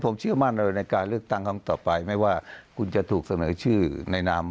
ผมเชื่อมั่นเลยในการเลือกตั้งครั้งต่อไปไม่ว่าคุณจะถูกเสนอชื่อในนาม